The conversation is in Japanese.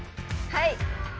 はい。